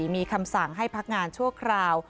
มีคำสั่งให้พักงานชั่วคราว